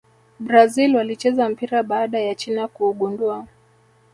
brazil walicheza mpira baada ya china kuugundua